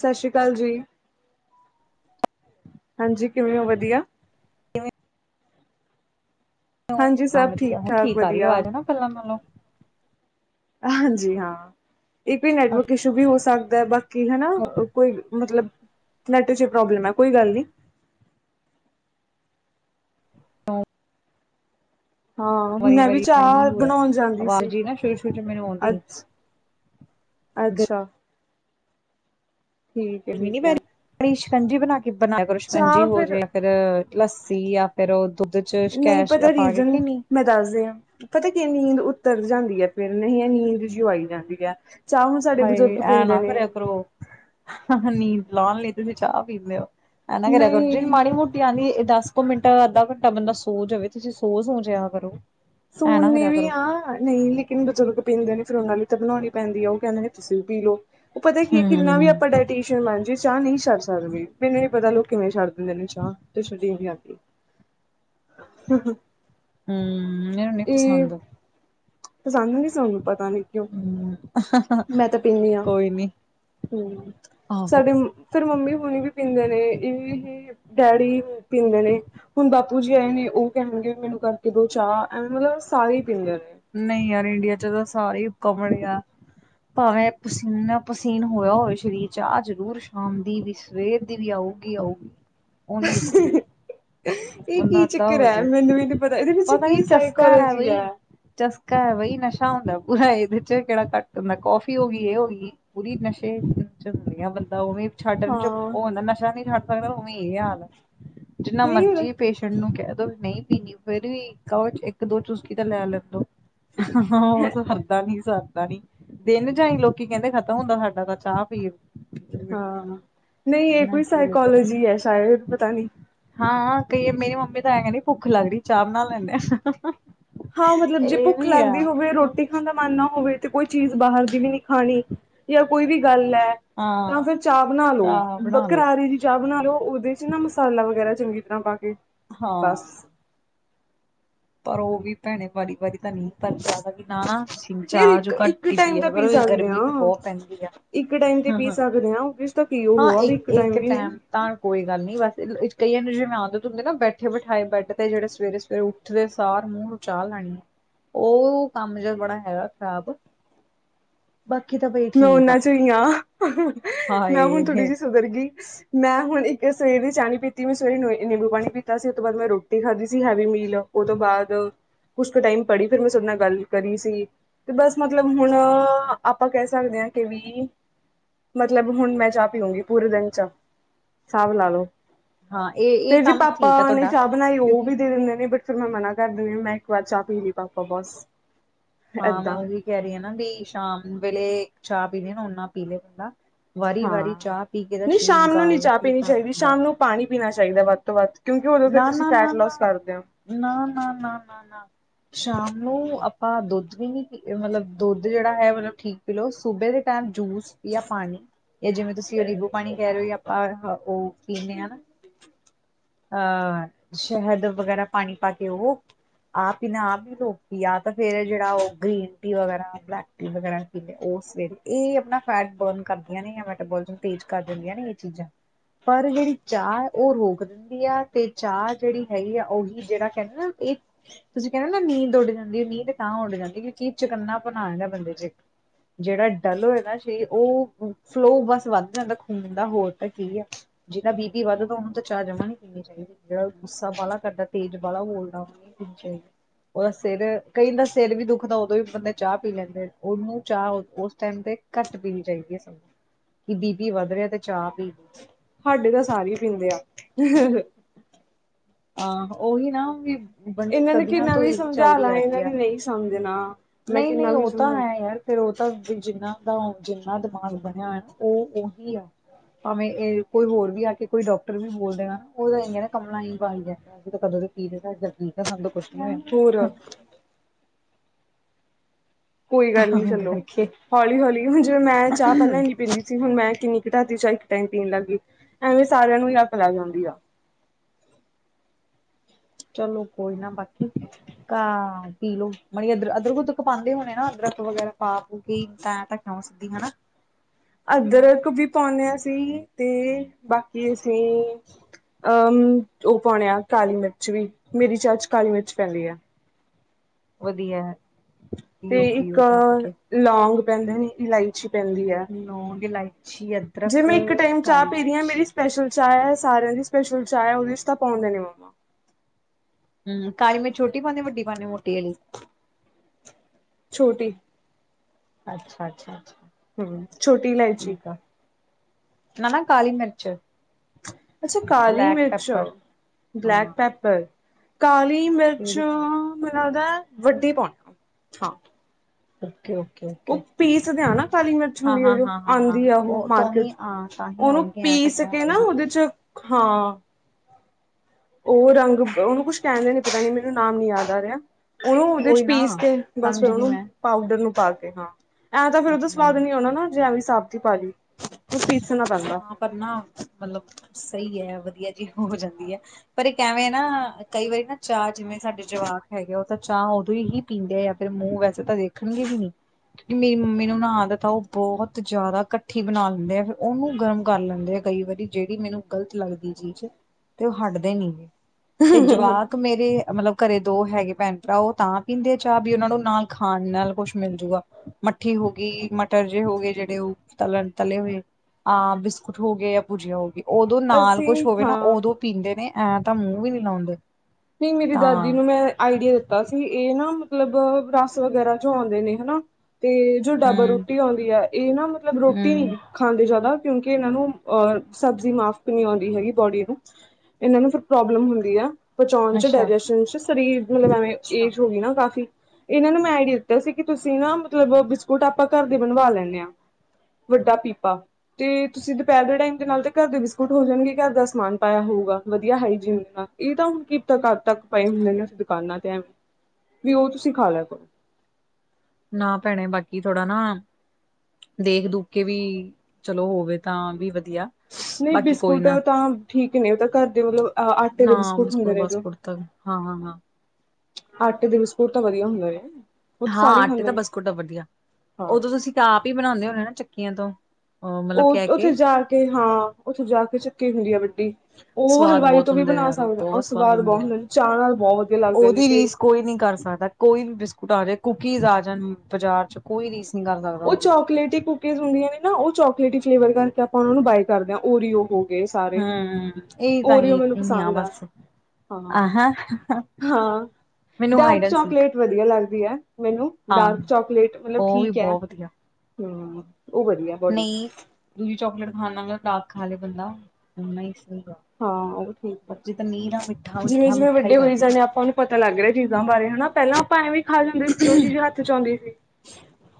ਸਤਿ ਸ੍ਰੀ ਅਕਾਲ ਜੀ। ਹਾਂਜੀ ਕਿਵੇਂ ਹੋ ਵਧੀਆ? ਹੈਲੋ ਹਾਂਜੀ ਹਾਂ ਸਭ ਵਧੀਆ ਹੁਣ ਠਾਕ ਠੀਕ ਆ ਰਹੀ ਹੈ ਵਧੀਆ, ਅਵਾਜ਼ ਹਨਾ ਪਹਿਲਾਂ ਨਾਲੋਂ। ਹਾਂਜੀ ਹਾਂ ਇੱਕ ਵੀ ਨੈਟਵਰਕ ਇਸ਼ੂ ਵੀ ਹੋ ਸਕਦਾ ਹੈ ਬਾਕੀ। ਬਾਕੀ ਹਨਾ ਕੋਈ ਮਤਲਬ। ਨੈੱਟ 'ਚ ਪ੍ਰੋਬਲਮ ਹੈ ਕੋਈ ਗੱਲ ਨੀ। ਹਾਂ ਵਾਰੀ ਮੈਂ ਵੀ ਵਾਰੀ ਐਹੀ ਚਾਹ ਹੋਇਆ ਬਣਾਉਣ ਜਾਂਦੀ ਆਵਾਜ਼ ਸੀ ਜੀ ਨਾ ਸ਼ੁਰੂ ਸ਼ੁਰੂ ਚ ਮੈਨੂੰ ਆਉਂਦੀ ਅੱਜ। ਅੱਛਾ। ਠੀਕ ਹੈ ਇੰਨੀ ਠੀਕ ਹੈ, ਵਾਰੀ ਸ਼ਿਕੰਜੀ ਬਣਾ ਕੇ ਬਣਾਇਆ ਕਰੋ ਸ਼ਿਕੰਜੀ ਚਾਹ ਹੋ ਫਿਰ ਜਾਏ ਅਗਰ। ਲੱਸੀ ਜਾਂ ਫਿਰ ਉਹ। ਦੁੱਧ ਚ ਨਹੀਂ ਸ਼ਕੈਸ਼ ਜਾਂ ਪਤਾ ਪਾ ਕੇ ਕਿ ਰੀਜ਼ਨ ਨਹੀਂ ਮੈਂ ਦੱਸਦੇ ਹਾਂ ਪਤਾ ਕਿਆ ਨੀਂਦ ਉੱਤਰ ਜਾਂਦੀ ਹੈ। ਫਿਰ ਨਹੀਂ ਇਹ ਨੀਂਦ ਜੀ ਆਈ ਜਾਂਦੀ ਹੈ। ਚਾਹ ਹੁਣ ਸਾਡੇ ਹਾਏ ਬਜ਼ੁਰਗ ਐਂ ਪੀਂਦੇ ਨਾ ਨੇ, ਕਰਿਆ ਕਰੋ ਨੀਂਦ? ਲਾਉਣ ਲਈ ਤੁਸੀਂ ਚਾਹ ਪੀਂਦੇ ਹੋ ਇਹ ਨਾ ਕਰਿਆ ਕਰੋ ਜਿਹੜੀ ਨਹੀਂ ਮਾੜੀ ਮੋਟੀ ਆਉਂਦੀ। ਦਸ ਕੁ ਮਿੰਟ ਅੱਧਾ ਘੰਟਾ ਬੰਦਾ ਸੌ ਜਾਵੇ ਤੁਸੀਂ ਹੋਰ ਸੌ ਜਿਆ ਕਰੋ? ਐ ਨਾ ਸੋਣੇ ਕਰਿਆ ਵੀ ਕਰੋ ਆ ਨਹੀਂ ਲੇਕਿਨ ਬਜ਼ੁਰਗ ਪੀਂਦੇ ਨੇ ਫੇਰ ਉਹਨਾਂ ਲਈ। ਤੇ ਬਣਾਣੀ ਪੈਂਦੀ ਹੈ ਉਹ ਕਹਿੰਦੇ ਨੇ ਤੁਸੀਂ ਵੀ ਪੀ ਲਓ ਉਹ ਪਤਾ ਕੀ ਹੂੰ ਹੈ ਕਿੰਨਾ ਵੀ ਹੂੰ ਆਪਾਂ ਡਾਇਟਸ਼ਨ ਬਣ ਜਾਏ। ਚਾਹ ਨਹੀਂ ਛੱਡ ਸਕਦੀ ਮੈਨੂੰ ਇਹ ਪਤਾ ਲੋਕ ਕਿਵੇਂ ਛੱਡ ਦਿੰਦੇ ਨੇ ਚਾਹ ਤੇ ਛੱਡੀ ਨਹੀ ਜਾਂਦੀ। ਹੂੰ ਮੈਨੂੰ ਨਹੀਂ ਪਸੰਦ। ਸਾਨੂੰ ਨੀ ਸਾਨੂੰ ਪਤਾ ਨੀ ਕਿਉਂ? ਹਮ ਕੋਈ ਨੀ। ਹੂੰ ਆਹੋ ਸਾਡੇ ਫਿਰ ਮੰਮੀ ਹੁਣੀ ਵੀ ਪੀਂਦੇ ਨੇ ਇਵੇ ਹੀ ਡੈਡੀ। ਪੀਂਦੇ ਨੇ ਹੁਣ ਬਾਪੂ ਜੀ ਆਏ ਨੇ ਉਹ ਕਹਿਣਗੇ ਮੈਨੂੰ ਕਰਕੇ ਦੋ ਚਾਹ ਐਂਵੇ ਮਤਲਬ। ਸਾਰੇ ਹੀ ਪੀਂਦੇ ਨੇ ਨਹੀਂ ਯਾਰ ਇੰਡੀਆ 'ਚ ਤਾਂ ਸਾਰੇ ਹੀ ਇੱਕੋ ਪਾਣੀ ਆ। ਭਾਵੇਂ ਪਸੀਨਾ ਪਸੀਨ ਹੋਇਆ ਹੋਵੇ ਸਰੀਰ ਚਾਹ ਜ਼ਰੂਰ ਸ਼ਾਮ ਦੀ ਵੀ ਸਵੇਰ ਦੀ ਵੀ ਆਓ। ਆਊਗੀ ਆਊਗੀ ਉਹ ਨਹੀਂ ਰੁਕਣੀ। ਇਹ ਬੰਦਾ ਕੀ ਅੱਧਾ ਚੱਕਰ ਹੋ ਹੈ ਜੇ ਮੈਨੂੰ ਵੀ ਨਹੀਂ ਪਤਾ ਇਹਦੇ ਵਿੱਚ ਨੀ ਕੀ ਚਸਕਾ ਸਾਈਕੋਲੋਜੀ ਬਈ ਹੈ? ਚਸਕਾ ਹੈ ਬਈ ਨਸ਼ਾ ਹੁੰਦਾ ਹੈ। ਉਹ ਹੈ ਇਹਦੇ 'ਚ ਇਹ ਕਿਹੜਾ ਘੱਟ ਹੁੰਦਾ ਕੋਫੀ ਹੋ ਗਈ ਇਹ ਹੋ ਗਈ ਪੂਰੀ ਨਸ਼ੇ ਚ'ਬੰਦਾ ਉਵੇਂ। ਛੱਡਣ 'ਚ ਹਾਂ ਉਹ ਹੁੰਦਾ ਨਸ਼ਾ ਨੀ ਛੱਡ ਸਕਦਾ ਉਵੇਂ ਇਹ ਹਾਲ ਹੈ ਜਿੰਨਾ ਨਹੀਂ ਮਰਜ਼ੀ। ਹੁੰਦਾ ਜੇ ਪੇਸ਼ੈਂਟ ਨੂੰ ਕਹਿ ਦੋ ਨਹੀਂ ਪੀਣੀ ਫਿਰ ਵੀ ਕਹੋ ਚੋ ਇੱਕ ਦੋ ਚੁਸਕੀ ਤਾਂ ਲੈ ਲੈਂਦੋ। ਹਾਂ ਉਹ ਤਾਂ ਸਰਦਾ ਨੀ। ਸਰਦਾ ਨੀ ਦਿਨ ਜਾਈ ਲੋਕੀ ਕਹਿੰਦੇ ਖ਼ਤਮ ਹੁੰਦਾ ਸਾਡਾ ਤਾਂ ਚਾਹ ਪੀਣ। ਹਾਂ, ਨਹੀਂ ਇਹ ਕੋਈ ਦਿਲ ਜਾ ਸਾਈਕੋਲੋਜੀ ਲੱਗਦਾ। ਹੈ ਸ਼ਾਇਦ ਪਤਾ ਨਹੀਂ। ਹਾਂ ਕਈ ਮੇਰੀ ਮੰਮੀ ਤਾਂ ਐਂ ਕਹਿੰਦੀ ਭੁੱਖ ਲੱਗਦੀ ਚਾਹ ਬਣਾ ਲੈਂਦੇ ਆ। ਹਾਂ ਮਤਲਬ ਜੇ ਇਹ ਭੁੱਖ ਵੀ ਆ। ਲੱਗਦੀ ਹੋਵੇ ਰੋਟੀ ਖਾਣ ਦਾ ਮਨ ਨਾ ਹੋਵੇ। ਤੇ ਕੋਈ ਚੀਜ਼ ਬਾਹਰ ਦੀ ਵੀ ਨਹੀਂ ਖਾਣੀ ਜਾਂ ਕੋਈ ਵੀ ਗੱਲ ਹੈ। ਤਾਂ ਹਾਂ ਫਿਰ ਚਾਹ ਬਣਾ ਲੋ ਚਾਹ ਬਸ ਬਣਾ ਲੋ ਕਰਾਰੀ ਦੀ ਚਾਹ ਬਣਾ ਲੋ ਉਹਦੇ 'ਚ ਨਾ ਮਸਾਲਾ ਵਗੈਰਾ। ਚੰਗੀ ਤਰ੍ਹਾਂ ਪਾ ਕੇ। ਹਾਂ। ਬਸ ਪਰ ਉਹ ਵੀ ਭੈਣੇ ਵਾਰੀ-ਵਾਰੀ ਤਾਂ ਨਹੀਂ ਪਰ ਚਾਹ ਬਿਨਾਂ ਨਾ। ਤੁਸੀਂ ਯਾਰ ਚਾਹ ਚੁ ਇੱਕ ਘੱਟ ਇੱਕ ਹੀ ਟਾਈਮ ਤਾਂ ਪਇਆ ਪੀ ਕਰੋ ਇਹ ਸਕਦੇ ਗਰਮੀ ਵੀ ਹਾਂ ਬਹੁਤ ਪੈਂਦੀ ਹੈ। ਇੱਕ ਟਾਈਮ ਤੇ ਪੀ ਸਕਦੇ ਹਾਂ ਉਹਦੇ ਚ ਤਾਂ ਕੀ ਹਾਂ-ਹਾਂ-ਹਾਂ, ਉਹ ਆ ਵੀ ਇੱਕ ਇੱਕ ਵੀ ਨਹੀਂ ਟਾਈਮ ਤਾਂ ਕੋਈ ਗੱਲ ਨਹੀਂ ਬਸ ਕਈਆਂ। ਜਿਵੇਂ ਆਦਤ ਹੁੰਦੀ ਹਾਂ ਨਾ ਬੈਠੇ-ਬੈਠਾਏ ਬੈਡ ਤੇ ਜਿਹੜੇ ਸਵੇਰੇ-ਸਵੇਰੇ, ਉੱਠ ਦੇ ਸਾਰ ਮੂੰਹ ਨੂੰ ਚਾਹ ਲੈਣੀ ਉਹ ਕੰਮ ਜਿਹਾ ਬੜਾ ਹੈਗਾ ਖ਼ਰਾਬ। ਬਾਕੀ ਤਾਂ ਬਈ ਮੈਂ ਠੀਕ ਆ ਉਹਨਾਂ ਚੋਂ ਹੀ ਹਾਂ ਮੈਂ ਹੁਣ ਥੋੜ੍ਹੀ ਹਾਏ ਜਿਹੀ ਸੁਧਰ ਗਈ। ਮੈਂ ਹੁਣ ਇੱਕ ਸਵੇਰੇ ਦੀ ਚਾਹ ਨਹੀਂ ਪੀਤੀ ਮੈਂ ਸਵੇਰੇ ਨਿੰਬੂ ਪਾਣੀ ਪੀਤਾ ਸੀ ਉਹ ਤੋਂ ਬਾਅਦ ਮੈਂ ਰੋਟੀ ਖਾਧੀ ਸੀ ਹੈਵੀ। ਪੀ ਲੋ ਉਹ ਤੋਂ ਬਾਅਦ ਕੁਛ ਕੁ ਟਾਈਮ ਪੜ੍ਹੀ, ਫਿਰ ਮੈਂ ਤੁਹਾਡੇ ਨਾਲ ਗੱਲ ਕਰੀ ਸੀ ਤੇ ਬਸ ਮਤਲਬ ਹੁਣ ਆਪਾਂ ਕਹਿ ਸਕਦੇ ਹਾਂ ਕਿ ਵੀ ਮਤਲਬ ਹੁਣ ਮੈਂ ਚਾਹ ਪੀਊਂਗੀ, ਪੂਰੇ ਦਿਨ ਚਾਹ ਹਿਸਾਬ ਲਾ ਲਓ। ਹਾਂ ਇਹ ਇਹ ਫੇਰ ਜੀ ਕੰਮ ਠੀਕ ਆ ਪਾਪਾ ਨੇ ਤੁਹਾਡਾ ਚਾਹ ਬਣਾਈ, ਉਹ ਕਿਉਂਕਿ ਵੀ ਦੇ ਦਿੰਦੇ ਨੇ ਬਟ ਫਿਰ ਮੈਂ ਮਨਾ ਕਰ ਦੀਨੀ ਹਾਂ, ਮੈਂ ਇੱਕ ਵਾਰ ਚਾਹ ਪੀ ਲੀ। ਹਾਂ, ਮੈਂ ਉਹੀ ਕਹਿ ਰਹੀ ਆ ਨਾ ਵੀ ਸ਼ਾਮ ਵੇਲੇ ਚਾਹ ਪੀਵੇ ਨਾ ਓਨਾ ਪੀ ਲਏ ਬੰਦਾ। ਵਾਰੀ-ਵਾਰੀ ਹਾਂ ਚਾਹ ਪੀ ਕੇ ਤਾਂ ਨਹੀਂ ਸਰੀਰ ਸ਼ਾਮ ਨੂੰ ਨੀ ਗਾਲਣ ਚਾਹ ਵਾਲੀ ਪੀਣੀ ਚਾਹੀਦੀ ਗੱਲ ਐ ਸ਼ਾਮ ਨੂੰ ਨਾ। ਪਾਣੀ ਪੀਣਾ ਚਾਹੀਦਾ ਵੱਧ ਤੋਂ ਵੱਧ। ਕਿਉਂਕਿ ਉਦੋਂ ਫਿਰ ਤੁਸੀਂ ਫੈਟ ਲੋਸ ਕਰਦੇ ਹੋ ਨਾ-ਨਾ-ਨਾ-ਨਾ-ਨਾ-ਨਾ। ਸ਼ਾਮ ਨੂੰ ਆਪਾਂ ਦੁੱਧ ਵੀ ਨਹੀਂ ਪੀ ਮਤਲਬ ਦੁੱਧ ਜਿਹੜਾ ਹੈ, ਮਤਲਬ ਠੀਕ ਪੀ ਲਓ ਸੂਬਹ ਦੇ ਟਾਈਮ ਜੂਸ ਜਾਂ ਪਾਣੀ ਜਾਂ ਜਿਵੇਂ ਤੁਸੀਂ ਉਹ ਨਿੰਬੂ ਪਾਣੀ ਕਹਿ ਰਹੇ ਹੋ, ਆਪਾਂ ਉਹ ਪੀਂਦੇ ਆ ਨਾ। ਅਹ, ਸ਼ਹਿਦ ਵਗੈਰਾ ਪਾਣੀ ਪਾ ਕੇ ਉਹ ਆਹ ਪੀਣਾ ਆ ਪੀ ਲਵੋ ਜਾਂ ਤੇ ਫੇਰ ਜਿਹੜਾ ਉਹ ਗ੍ਰੀਨ ਟੀ ਵਗੈਰਾ, ਬਲੈਕ ਟੀ ਵਗੈਰਾ ਪੀਦੇ ਉਹ ਸਵੇਰੇ ਇਹ ਆਪਣਾ ਫੈਟ ਬਰਨ ਕਰਦੀਆਂ ਨੇ, ਮੈਟਾਬੋਲ ਤੇਜ਼ ਕਰ ਦਿੰਦੀਆਂ ਨੇ ਇਹ ਚੀਜ਼ਾਂ ਪਰ ਜਿਹੜੀ ਚਾਹ ਉਹ ਰੋਕ ਦਿੰਦੀ ਆ ਤੇ ਚਾਹ ਜਿਹੜੀ ਹੈਗੀ ਆ ਉਹੀ ਜਿਹੜਾ ਕਹਿੰਦੇ ਨਾ ਇਹ ਤੁਸੀਂ ਕਹਿੰਦੇ ਨਾ ਨੀਂਦ ਉੱਡ ਜਾਂਦੀ ਏ ਨੀਂਦ ਤਾਂ ਉੱਡ ਜਾਂਦੀ ਕਿ ਕੀ ਚਕੰਨਾ ਪਣ ਆ ਜਾਂਦਾ ਬੰਦੇ ਚ। ਜਿਹੜਾ ਡਲ ਹੋਏ ਨਾ ਸਰੀਰ ਉਹ ਫਲੋ ਬਸ ਵੱਧ ਜਾਂਦਾ ਖੂਨ ਦਾ, ਹੋਰ ਤਾਂ ਕੀ ਆ। ਜਿਹਦਾ ਬੀ ਪੀ ਵੱਧਦਾ, ਉਹਨੂੰ ਤੇ ਚਾਹ ਜਮਾ ਨੀ ਜਿਹੜਾ ਗੁੱਸਾ ਵਾਹਲਾ ਕਰਦਾ, ਤੇਜ਼ ਵਾਲਾ ਬੋਲਦਾ ਉਹਨੂੰ ਨਹੀਂ ਪੀਣੀ ਚਾਹੀਦੀ। ਉਹਦਾ ਸਿਰ ਕਈ ਦਾ ਸਿਰ ਵੀ ਦੁਖਦਾ, ਉਦੋਂ ਵੀ ਬੰਦੇ ਚਾਹ ਪੀ ਲੈਂਦੇ, ਉਹਨੂੰ ਚਾਹ ਉਸ ਟਾਈਮ ਤੇ ਘੱਟ ਪੀਣੀ ਚਾਹੀਦੀ ਏ, ਸਾਨੂੰ ਕਿ ਬੀ ਪੀ ਵੱਧ ਰਿਹਾ ਤੇ ਚਾਹ ਪੀ ਸਾਡੇ ਤਾਂ ਸਾਰੇ ਹੀ ਪੀਂਦੇ ਆ। ਆ ਉਹੀ ਨਾ ਵੀ ਬਣੀ ਇਹਨਾਂ ਨੇ ਸਦੀਆਂ ਕਿੰਨਾ ਤੋਂ ਵੀ ਇਹੀ ਸਮਝਾ ਚੱਲਦੀ ਲਾ ਆ ਰਹੀ ਇਹਨਾਂ ਐ। ਨੇ ਨਹੀਂ ਸਮਝਣਾ ਮੈਂ ਨਹੀਂ-ਨਹੀਂ ਕਿੰਨਾ ਵੀ ਹੋ ਤਾਂ ਸਮਝਾਵਾਂ ਹੈ ਯਾਰ ਫਿਰ ਜਿਨਾਂ ਦਾ ਜਿੰਨਾ ਦਿਮਾਗ ਬਣਿਆ ਹੈ ਉਹ ਉਹੀ ਆ। ਭਾਵੇਂ ਇਹ ਕੋਈ ਹੋਰ ਵੀ ਆ ਕੇ ਕੋਈ ਡਾਕਟਰ ਵੀ ਬੋਲਦੇ ਆ ਨਾ, ਉਹ ਅਸੀ ਕਹਿਣਾ ਕਮਲਾ ਐ ਹੀ ਬੋਲੀ ਜਾਂਦਾ ਤਾਂ, ਕੀ ਘਰ ਕੀ ਸਾਨੂੰ ਤੇ ਕੁਛ ਨੀ ਹੋਰ ਹੋਇਆ। ਕੋਈ ਗੱਲ ਤਾਂ ਨੀ ਚੱਲੋ ਕਰਕੇ ਹੌਲੀ-ਹੌਲੀ ਹੁਣ, ਜਿਵੇਂ ਮੈਂ ਚਾਹ ਪਹਿਲਾਂ ਨੀ ਪੀਂਦੀ ਸੀ ਹੁਣ ਮੈਂ ਕਿੰਨੀ ਘਟਾਤੀ ਚਾਹ ਇੱਕ ਟਾਈਮ ਪੀਣ ਲੱਗ ਗਈ, ਐਵੇਂ ਸਾਰਿਆਂ ਨੂੰ ਹੀ ਅੱਗ ਲੱਗ ਜਾਂਦੀ ਆ। ਚਲੋ ਕੋਈ ਨਾ ਬਾਕੀ ਕੀ ਲੋੋ ਮਣੀ ਅਦਰ ਅਦਰਕ ਉਦਰਕ ਪਾਉਂਦੇ ਹੋਣੇ ਨਾ, ਅਦਰਕ ਵਗੈਰਾ ਪਾ ਕੇ ਤਾਂ ਤਾਂ ਕਿਉਂ ਸਿੱਧੀ ਹਨਾ। [unintelligible] ਅਦਰਕ ਵੀ ਪਾਉਂਦੇ ਆ ਅਸੀ ਤੇ ਬਾਕੀ ਅਸੀਂ ਅਹ ਉਹ ਪਾਉਣੇ ਆ ਕਾਲੀ ਮਿਰਚ ਵੀ, ਮੇਰੀ ਚਾਹ ਚ ਕਾਲੀ ਮਿਰਚ ਪੈਂਦੀ ਏ। ਵਧੀਆ ਪੀਓ ਪੀਓ ਦੱਬ ਕੇ। ਪਹਿਲਾ ਇਲਾਚੀ ਲੋਂਗ, ਇਲਾਚੀ ਜੇ ਮੈਂ ਇੱਕ ਟਾਈਮ ਚਾਹ ਪੀਦੀ ਹਾਂ, ਮੇਰੀ ਸਪੈਸ਼ਲ ਚਾਹ ਸਾਰਿਆਂ ਦੀ ਸਪੈਸ਼ਲ, ਚਾਹ ਉਹਦੇ ਚ ਤਾਂ ਪਾਉਂਦੇ ਨੇ ਮੰਮਾ। ਹੂੰ, ਕਾਲੀ ਮਿਰਚ ਛੋਟੀ, ਪਾਉਂਦੇ ਵੱਡੀ ਪਾਉਂਦੇ ਮੋਟੀ ਵਾਲੀ। ਛੋਟੀ। ਅੱਛਾ ਅੱਛਾ। ਅੱਛਾ ਹੂੰ, ਛੋਟੀ ਇਲਾਚੀ। ਠੀਕ ਆ ਨਾ ਨਾ ਕਾਲੀ ਮਿਰਚ। ਅੱਛਾ ਕਾਲੀ ਬਲੈਕ ਮਿਰਚ, ਪੈਪਰ ਬਲੈਕ ਹਾਂ ਪੈਪਰ ਕਾਲੀ ਮਿਰਚ ਕਿਹੜੀ ਪਾਉਂਦੇ? ਮੈਨੂੰ ਲੱਗਦਾ ਵੱਡੀ ਪਾਉਣੀ ਹਾਂ। ਓਕੇ ਓਕੇ ਓਕੇ ਉਹ ਪੀਸਦੇ ਆ ਨਾ ਕਾਲੀ ਮਿਰਚ ਹਾਂ ਹੁੰਦੀ ਹੈ ਹਾਂ ਜੋ ਹਾਂ ਹਾਂ ਆਉਂਦੀ ਆ ਹਾਂ ਉਹ ਤੋਂ ਮਾਰਕਿਟ ਹੀ ਚ ਆ ਤਾਂ ਹੀ ਉਹਨੂੰ ਆਊਗੀ ਐ ਤਾਂ ਪੀਸ ਕਿਉਂ ਕੇ ਨਾ ਆਊਗੀ ਉਹਦੇ ਚ ਹਾਂ। ਉਹ ਰੰਗ ਉਹਨੂੰ ਕੁਛ ਕਹਿਣ ਦਾ ਨੀ ਪਤਾ ਨੀ ਮੈਨੂੰ ਨਾਮ ਨੀ ਯਾਦ ਆ ਰਿਹਾ। ਉਹਨੂੰ ਉਹਦੇ ਚ ਕੋਈ ਨਾ ਪੀਸ ਕੇ ਬਸ ਫਿਰ ਸਮਝ ਗਈ ਉਹਨੂੰ ਮੈਂ ਪਾਊਡਰ ਨੂੰ ਪਾ ਕੇ ਹਾਂ। ਐਂ ਤਾਂ ਫਿਰ ਉਹਦਾ ਸਵਾਦ ਨੀ ਆਉਣਾ ਨਾ ਜੇ ਵੀ ਸਾਬ ਹਾਂ ਪਰ ਨਾ ਮਤਲਬ ਸਹੀ ਹੈ ਵਧੀਆ। ਹੋ ਜਾਂਦੀ ਹ ਪਰ ਇੱਕ ਐਵੇਂ ਨਾ ਕਈ ਵਾਰੀ ਨਾ ਚਾ ਜਿਵੇਂ ਸਾਡੇ ਜਵਾਕ ਹੈਗੇ ਉਹ ਤਾਂ ਚਾਹ ਉਦੋਂ ਹੀ ਪੀਂਦੇ ਆ ਜਾਂ ਫਿਰ ਮੂੰਹ ਵੈਸੇ ਤਾਂ ਦੇਖਣਗੇ ਹੀ ਨਹੀਂ। ਕਿਉਂਕਿ ਮੇਰੀ ਮੰਮੀ ਨੂੰ ਆਦਤ ਉਹ ਬਹੁਤ ਜਿਆਦਾ ਘ ਇਕੱਠੀ ਬਣਾ ਲੈਂਦੇ ਆ ਫਿਰ ਉਹਨੂੰ ਗਰਮ ਕਰ ਲੈਂਦੇ ਆ ਕਈ ਵਾਰੀ ਜਿਹੜੀ ਮੈਨੂੰ ਗ਼ਲਤ ਲੱਗਦੀ ਚੀਜ਼। ਤੇ ਉਹ ਹਟਦੇ ਨੀ ਤੇ ਜਵਾਕ ਮੇਰੇ ਮਤਲਬ ਘਰੇ ਦੋ ਹੈਗੇ ਭੈਣ ਭਰਾ ਉਹ ਤਾਂ ਪੀਂਦੇ ਆ ਚਾਹ ਵੀ ਉਹਨਾਂ ਨੂੰ ਨਾਲ ਖਾਣ ਨਾਲ ਕੁੱਛ ਮਿਲਜੂਗਾ। ਮੱਠੀ ਹੋ ਗਈ ਮਟਰ ਜਿੇ ਹੋ ਗਏ ਜਿਹੜੇ ਉਹ। ਤਲਣ ਤਲੇ ਹੋਏ ਆ ਬਿਸਕੁਟ ਹੋ ਗਏ ਜਾਂ ਭੂਜੀਆਂ ਹੋ ਗਈ। ਉਦੋਂ ਨਾਲ ਕੁਛ ਅਸੀਂ ਹੋਵੇ ਨਾ ਹਾਂ ਉਦੋਂ ਪੀਂਦੇ ਨੇ ਐਂ ਤਾਂ ਮੂੰਹ ਵੀ ਨਹੀਂ ਲਾਉਂਦੇ। ਨਹੀਂ ਮੇਰੀ ਦਾਦੀ ਤਾਂ ਨੂੰ ਮੈਂ ਆਈਡੀਆ ਦਿੱਤਾ ਸੀ ਇਹ ਨਾ ਮਤਲਬ ਰਸ ਵਗੈਰਾ ਚੋਂ ਆਉਂਦੇ ਨੇ ਹਨਾ ਤੇ ਜੋ ਡਢਾਬਾ ਹਮ ਰੋਟੀ ਆਉਂਦੀ ਹੈ ਇਹ ਨਾ ਮਤਲਬ ਰੋਟੀ ਹਮ ਨੀ ਖਾਂਦੇ ਜ਼ਿਆਦਾ ਕਿਉਂਕਿ ਇਹਨਾਂ ਨੂੰ ਅ ਸਬਜ਼ੀ ਮਾਫ਼ ਨਹੀਂ ਆਉਂਦੀ ਹੈਗੀ ਬੋਡੀ ਨੂੰ ਇਹਨਾਂ ਨੂੰ ਫਿਰ ਪ੍ਰੋਬਲਮ ਹੁੰਦੀ ਆ ਬਚਾਉਣ ਚ ਅੱਛਾ ਡਾਇਜੈ ਚ ਸਰੀਰ ਮਤਲਬ ਐਵੇਂ ਅੱਛਾ ਏਜ ਹੋ ਗਈ ਨਾ ਕਾਫੀ ਇਹਨਾਂ ਨੂੰ ਮੈਂ ਆਈਡੀਆ ਦਿੱਤਾ ਸੀ ਕਿ ਤੁਸੀਂ ਨਾ ਮਤਲਬ ਬਿਸਕੁਟ ਆਪਾਂ ਘਰ ਦੇ ਬਣਵਾ ਲੈਂਦੇ ਆ ਵੱਡਾ ਪੀਪਾ ਤੇ ਤੁਸੀਂ ਦੁਪਹਿਰ ਦੇ ਟਾਈਮ ਦੇ ਨਾਲ ਤੇ ਘਰ ਦੇ ਬਿਸਕੁਟ ਹੋ ਜਾਣਗੇ ਘਰ ਦਾ ਸਮਾਨ ਪਾਇਆ ਹੋ ਵਧੀਆ ਹਾਈਜੀਨਿਕ ਇਹ ਤਾਂ ਕੀਤਾ ਘਦ ਤੱਕ ਪਏ ਹੁੰਦੇ ਨੇ ਅਸੀਂ ਦੁਕਾਨਾਂ ਤੇ ਐਵੇਂ ਵੀ ਉਹ ਤੁਸੀਂ ਖਾ ਲਿਆ ਕਰੋ ਨਾ ਭੈਣੇ ਬਾਕੀ ਥੋੜਾ ਨਾ। ਦੇਖ ਦੁਖ ਕੇ ਵੀ ਚਲੋ ਹੋਵੇ ਤਾਂ ਵੀ ਵਧੀਆ। ਨਹੀਂ ਬਾਕੀ ਕੋਈ ਬਿਸਕੁਟ ਨਾ ਤਾਂ ਠੀਕ ਨੇ ਉਹ ਤਾਂ ਘਰ ਦੇ। ਅ ਆਟੇ ਦੇ ਨਾ ਬਿਸਕੁਟ ਹੁੰਦੇ ਨੇ ਜੋ ਬਾਸਕੁਟ ਤਾਂ ਹਾਂ ਹਾਂ ਹਾਂ ਆਟੇ ਦੇ ਬਿਸਕੁਟ। ਉਹ ਤਾਂ ਵਧੀਆ ਹੁੰਦਾ ਨੇ। ਉਹ ਤਾਂ ਹਾਂ ਸਾਰੇ ਆਟੇ ਖਾਂਦੇ ਦਾ ਨੇ ਬਿਸਕੁਟ ਆ ਵਧੀਆ ਹਾਂ ਉਦੋਂ ਅਸੀਂ ਆਪ ਹੀ ਬਣਾਉਂਦੇ ਹੁੰਦੇ ਨਾ ਚੱਕੀਆਂ ਤੋਂ। ਅ ਮਤਲਬ ਉਹ ਕਹਿ ਉੱਥੇ ਕੇ ਜਾ ਕੇ ਹਾਂ ਉੱਥੇ ਜਾ ਕੇ ਚੱਕੀ ਹੁੰਦੀ ਆ ਵੱਡੀ ਉਹ ਸਵਾਦ ਹਲਵਾਈ ਬਹੁਤ ਤੋਂ ਵੀ ਹੁੰਦੇ ਬਣਾ ਯਾਰ ਸਕਦੇ ਉਹ ਬਹੁਤ ਸਵਾਦ ਹੁੰਦੇ ਬਹੁਤ ਆ ਹੁੰਦਾ ਨੇ ਚਾਅ ਨਾਲ ਬਹੁਤ ਵਧੀਆ ਲੱਗਦੇ ਨੇ ਉਹਦੀ ਤੇ ਰੀਸ ਕੋਈ ਨੀ ਕਰ ਸਕਦਾ ਕੋਈ ਵੀ ਬਿਸਕੁਟ ਆ ਜਾਏ ਕੂਕੀਜ਼ ਆ ਜਾਣ ਬਾਜ਼ਾਰ ਚ ਕੋਈ ਨੀ ਉਹ ਚੋਕਲੇਟ ਕੁਕੀਜ਼ ਹੁੰਦੀਆਂ ਨੇ ਨਾ ਉਹ ਚੋਕਲੇਟੀ ਫਲੇਵਰ ਕਰਕੇ ਆਪਾਂ ਉਹ ਨੂੰ ਬਏ ਕਰਦੇ ਹਾਂ ਓਰੀਓ ਹੋ ਗਏ ਸਾਰੇ ਹੂੰ ਇਹ ਤਾਂ ਓਰੀਓ ਆਹੀ ਮੈਨੂੰ ਇਨੀਆ ਪਸੰਦ ਆ ਹਾਂ ਆ ਹ ਹਾਂ ਡਾਰਕ ਚਾਕਲੇਟ ਵਧੀਆ ਲੱਗਦੀ ਹੈ ਮੈਨੂੰ ਹਾਂ ਡਾਰਕ ਚਾਕਲੇਟ ਮਤਲਬ ਉਹ ਵੀ ਠੀਕ ਹੈ ਬਹੁਤ ਵਧੀਆ ਹੂੰ ਉਹ ਵਧੀਆ ਤੁਹਾਡੀ ਬੋਡੀ ਈ ਨਹੀਂ ਦੂਜੀ ਚੋਕਲੇਟ ਖਾਣ ਨਾਲ ਦਾਲ ਖਾ ਲਏ ਬੰਦਾ ਉਨ੍ਹਾਂ ਹਾਂ ਠੀਕ ਹੈ ਬੱਚੇ ਤਾਂ ਨੀਰਾ ਮਿੱਠਾ ਜਿਵੇਂ ਮਿੱਠਾ ਜਿਵੇਂ ਮਿੱਠਾ ਹੀ ਵੱਡੇ ਹੋਈ ਪਾਇਆ ਜਾਣੇ ਆ ਆਪਾਂ ਉਹਨੂੰ ਪਤਾ ਲੱਗ ਰਿਹਾ ਚੀਜ਼ਾਂ ਬਾਰੇ ਹਨਾ ਪਹਿਲਾਂ ਆਪਾਂ ਐਵੇਂ ਖਾ ਜਾਂਦੇ ਸੀ ਜੋ ਚੀਜ਼ ਹੱਥ ਚ ਆਉਂਦੀ ਸੀ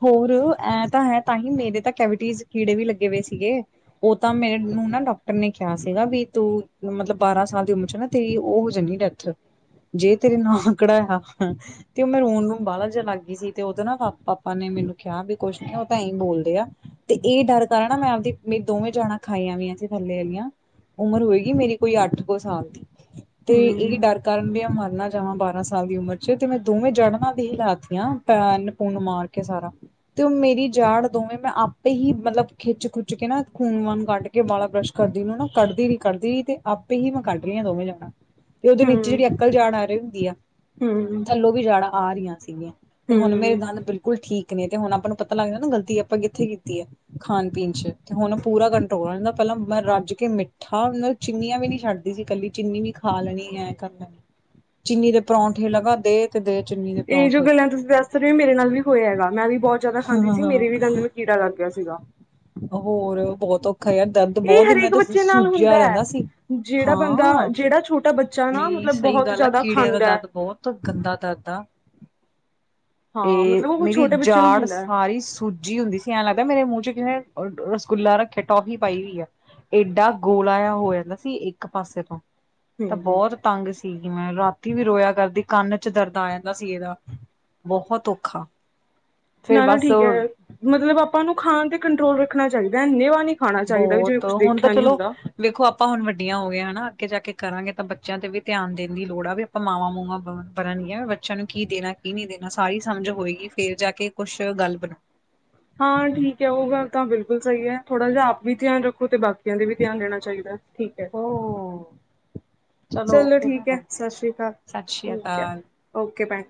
ਹੋਰ ਐ ਤਾਂ ਹੈ ਤਾਂ ਹੀ ਮੇਰੇ ਤਾਂ ਕੈਵਿਟੀਜ਼ ਕੀੜੇ ਵੀ ਲੱਗੇ ਪਏ ਸੀਗੇ ਉਹ ਤਾਂ ਮੇ ਨੂੰ ਨਾ ਡਾਕਟਰ ਨੇ ਕਿਹਾ ਸੀਗਾ ਵੀ ਤੂੰ ਮਤਲਬ ਬਾਰਾਂ ਸਾਲ ਦੀ ਉਮਰ ਚ ਨਾ ਤੇਰੀ ਉਹ ਹੋ ਜਾਂਦੀ ਡੈਥ ਜੇ ਤੇਰੇ ਨਕੜਾ ਆ ਤੇ ਉਹ ਮੈਂ ਰੋਣ ਨੂੰ ਬਾਹਾਲ ਜ ਲੱਗ ਗਈ ਸੀ ਤੇ ਉਦੋਂ ਨਾ ਪਾਪਾ ਨੇ ਮੈਨੂੰ ਕਿਹਾ ਵੀ ਕੁੱਛ ਨ ਉਹ ਤਾਂ ਇਂ ਬੋਲਦੇ ਆ ਤੇ ਇਹ ਡਰ ਕਰ ਨਾ ਮੈਂ ਆਪਦੀ ਮ ਦੋਵੇਂ ਜਾਣਾਂ ਖਾਈਆਂ ਵੀਆਂ ਸੀ ਥੱਲੇ ਵਾਲੀਆਂ ਉਮਰ ਹੋਏਗੀ ਮੇਰੀ ਕੋਈ ਅੱਠ ਕੁੋ ਸਾਲ ਦੀ ਤੇ ਇਹ ਹਮ ਡਰ ਕਾਰਨ ਵੀ ਆ ਮਰਨਾ ਜਾਵਾਂ ਬਾਰਾਂ ਸਾਲ ਦੀ ਉਮਰ ਚ ਤੇ ਮੈਂ ਦੋਵੇਂ ਜੜਨਾ ਦੀ ਲਾਤੀਆਂ ਪੈਨ ਪੂਨ ਮਾਰ ਕੇ ਸਾਰਾ ਤੇ ਉਹ ਮੇਰੀ ਜਾੜ ਦੋਵੇਂ ਮੈਂ ਆਪੇ ਹੀ ਮਤਲਬ ਖਿੱਚ ਖੁੱਚ ਕੇ ਨਾ ਖੂਨ ਵਨ ਕੱਢ ਕੇ ਵਾਲਾ ਬਰੱਸ਼ ਕਰਦੀ ਨੂੰ ਨਾ ਕੱਢਦੀ ਨਹੀ ਕੱਢਦੀ ਤੇ ਆਪੇ ਹੀ ਮੈਂ ਕੱਢ ਰਹੀ ਹਾਂ ਦੋਵੇਂ ਜੜਾ ਤੇ ਉਹਦੇ ਨੀਚੇ ਹਮ ਜਿਹੜੀ ਅਕਲ ਜਾੜ ਆ ਰਹੀ ਹੁੰਦੀ ਆ ਹਮ ਥੱਲੋਂ ਵੀ ਜਾੜਾਂ ਆ ਰਹੀਆਂ ਸੀਗੀਆਂ। ਤੇ ਹੁਣ ਮੇਰੇ ਹਮ ਦੰਦ ਬਿਲਕੁਲ ਠੀਕ ਨੇ ਤੇ ਹੁਣ ਆਪਾਂ ਨੂੰ ਪਤਾ ਲੱਗਦਾ ਨਾ ਗਲਤੀ ਆਪਾਂ ਕਿੱਥੇ ਕੀਤੀ ਹੈ ਖਾਣ ਪੀਣ ਚ ਤੇ ਹੁਣ ਪੂਰਾ ਕੰਟਰੋਲ ਰਹਿੰਦਾ ਪ ਲ ਮੈਂ ਰੱਜ ਕੇ ਮਿੱਠਾ ਮਤਲਬ ਚਿੰਨੀਆਂ ਵੀ ਨਹੀਂ ਛੱਡਦੀ ਸੀ ਇਕੱਲੀ ਚੀਨੀ ਵੀ ਖਾ ਲੈਣੀ ਹੈ ਕਰ ਲੈਣੀ ਚੀਨੀ ਦੇ ਪਰੌਂਠੇ ਲਗਾ ਦੇ ਤੇ ਦੇ ਚੀਨੀ ਦੇ ਇਹ ਜੋ ਪਰੌਂਠੇ ਗੱਲਾਂ ਤੁਸੀਂ ਦੱਸ ਰਹੇ ਹੋ ਮੇਰੇ ਨਾਲ ਵੀ ਹੋਇਆ ਹੈਗਾ ਮੈਂ ਵੀ ਬਹੁਤ ਜ਼ਿਆਦਾ ਖਾਂਦੀ ਸੀ ਹਾਂ ਮੇਰੇ ਵੀ ਦੰਦ ਮ ਕੀੜਾ ਲੱਗ ਗਿਆ ਸੀਗਾ। ਹੋਰ ਬਹੁਤ ਔਖਾ ਯਾਰ ਦਰਦ ਇਹ ਬਹੁਤ ਮੈਂ ਹਰੇਕ ਤਾਂ ਬੱਚੇ ਨਾਲ ਹੁੰਦਾ ਸੂੱਜਿਆ ਹੈ। ਰਹਿੰਦਾ ਸੀ। ਜਿਹੜਾ ਬੰਦਾ ਹਾਂ ਜਿਹੜਾ ਛੋਟਾ ਬੱਚਾ ਨਾ ਨਹੀਂ ਮਤਲਬ ਸਹੀ ਬਹੁਤ ਗੱਲ ਆ ਜ਼ਿਆਦਾ ਕੀੜਿਆਂ ਦਾ ਖਾਂਦਾ ਹੈ। ਦਰਦ ਬਹੁਤ ਗੰਦਾ ਦਰਦ ਆ। ਹ ਤੇ ਹਾਂ ਮਤਲਬ ਉਹ ਮੇਰੀ ਛੋਟੇ ਬੱਚੇ ਨੂੰ ਜਾੜ ਹੁੰਦਾ ਹੈ ਸਾਰੀ ਸੂਜੀ ਹੁੰਦੀ ਸੀ। ਐਂ ਲੱਗਦਾ ਮੇਰੇ ਮੂੰਹ ਚ ਕਿੇ ਰਸਗੁੱਲਾ ਰੱਖਿਆ ਟੋਫੀ ਪਾਈ ਹੋਈ ਆ ਏਡਾ ਗੋਲਾ ਹੋ ਜਾਂਦਾ ਸੀ ਇੱਕ ਪਾਸੇ ਤੋਂ ਤਾਂ ਹੂੰ ਬਹੁਤ ਤੰਗ ਸੀ। ਮੈਂ ਰਾਤੀ ਵੀ ਰੋਇਆ ਕਰਦੀ ਕੰਨ ਚ ਦਰਦ ਆ ਜਾਂਦਾ ਸੀ, ਇਹਦਾ ਬਹੁਤ ਔਖਾ ਫੇਰ ਨਾ-ਨਾ ਬਸ ਠੀਕ ਹੈ ਮਤਲਬ ਆਪਾਂ ਨੂੰ ਖਾਣ ਤੇ ਕੰਟਰੋਲ ਰੱਖਣਾ ਚਾਹੀਦਾ ਅੰਨੇ ਵਾ ਨੀ, ਬਹੁਤ ਹੁਣ ਤਾਂ ਚਲੋ ਵੇਖੋ ਆਪਾਂ ਹੁਣ ਵੱਡੀਆਂ ਹੋ ਗਈ ਹਨਾ। ਜਾ ਕੇ ਕਰਾਂਗੇ ਤਾਂ ਬੱਚਿਆਂ ਤੇ ਵੀ ਧਿਆਨ ਦੇਣ ਦੀ ਲੋੜ ਆ ਵੀ ਆਪਾਂ ਮਾਵਾਂ ਮੂਵਾ ਬ ਬਣਨਗੀਆਂ ਬੱਚਿਆਂ ਨੂੰ ਕੀ ਦੇਣਾ। ਕੀ ਨਹੀਂ ਦੇਣਾ ਸਾਰੀ ਸਮਝ ਹੋਏਗੀ ਫੇਰ ਜਾ ਕੇ ਕੁਛ ਗੱਲ ਬਣਾ, ਹਾਂ ਠੀਕ ਹੈ ਉਹ ਗੱਲ ਤਾਂ ਬਿਲਕੁਲ ਸਹੀ ਹੈ ਥੋੜਾ ਜਿਹਾ ਆਪ ਵੀ ਧਿਆਨ ਰੱਖੋ ਤੇ ਬਾਕੀ, ਵੀ ਧਿਆਨ ਦੇਣਾ ਚਾਹੀਦਾ ਠੀਕ ਹੈ। ਹੋ ਚਲੋ ਓਕੇ ਠੀਕ ਹੈ ਭੈਣੇ ਸਤਿ ਸ੍ਰੀ ਅਕਾਲ ਸਤਿ ਸ੍ਰੀ ਠੀਕ ਹੈ ਅਕਾਲ। ਓਕੇ ਭੈਣ,